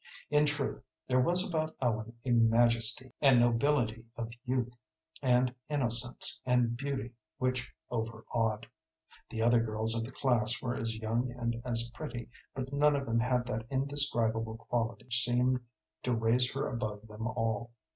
In truth, there was about Ellen a majesty and nobility of youth and innocence and beauty which overawed. The other girls of the class were as young and as pretty, but none of them had that indescribable quality which seemed to raise her above them all.